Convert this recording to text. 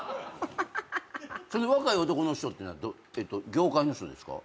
その若い男の人ってのは業界の人ですか？